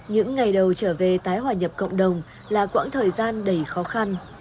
những ngày đầu trở về tái hòa nhập cộng đồng là quãng thời gian đầy khó khăn